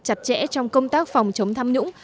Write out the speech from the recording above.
chặt chẽ trong công tác phòng chống tham nhũng